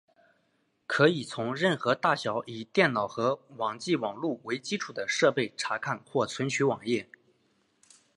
可以从任何大小以电脑和网际网路为基础的设备查看或存取网页。